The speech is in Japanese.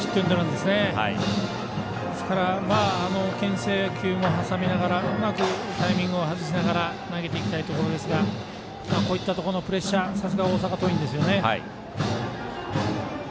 ですから、けん制球も挟みながらうまくタイミングを外しながら投げていきたいところですがこういったところのプレッシャーさすが大阪桐蔭ですね。